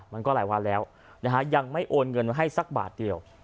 มันก็หลายวันแล้วนะฮะยังไม่โอนเงินให้สักบาทเดียว